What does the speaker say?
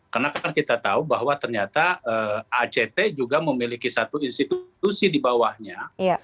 karena kita tahu bahwa ternyata act juga memiliki satu institusi di bawahnya